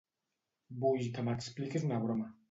Vull que m'expliquis una broma.